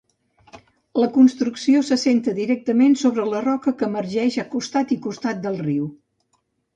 La construcció s'assenta directament sobre la roca que emergeix a costat i costat del riu.